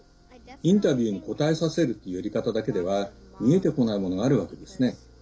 インタビューに答えさせるというやり方だけでは見えてこないものがあるわけですね。